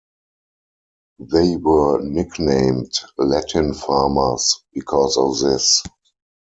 They were nicknamed "Latin Farmers" because of this.